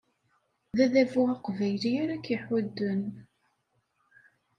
D adabu aqbayli ara k-iḥudden.